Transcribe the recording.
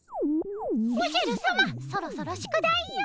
おじゃるさまそろそろ宿題を！